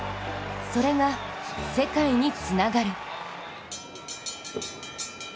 それが世界につながる。